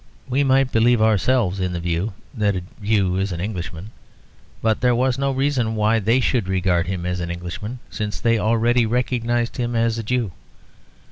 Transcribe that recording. We might believe ourselves in the view that a Jew is an Englishman; but there was no reason why they should regard him as an Englishman, since they already recognised him as a Jew.